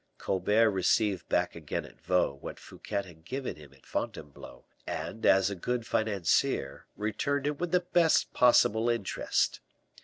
Colbert received back again at Vaux what Fouquet had given him at Fontainebleau, and, as a good financier, returned it with the best possible interest.